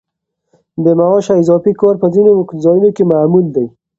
بې معاشه اضافي کار په ځینو ځایونو کې معمول دی.